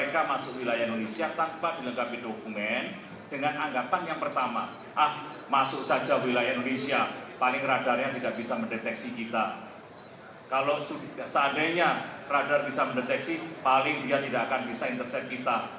kalau seandainya radar bisa mendeteksi paling dia tidak akan bisa intercent kita